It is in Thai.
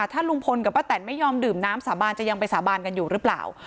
ถ้าลุงพลกับป้าแตนไม่ยอมดื่มน้ำสาบานจะยังไปสาบานกันอยู่หรือเปล่า